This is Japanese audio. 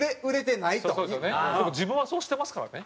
でも自分はそうしてますからね。